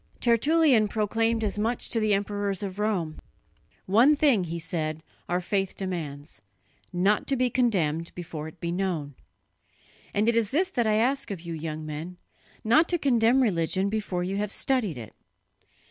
Tertullian proclaimed as much to the emperors of Rome. 'One thing,' he said, 'our faith demands: not to be condemned before it be known,' and it is this that I ask of you, young men, not to condemn religion before you have studied it."